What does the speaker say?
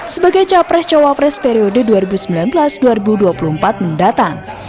sebagai capres cawapres periode dua ribu sembilan belas dua ribu dua puluh empat mendatang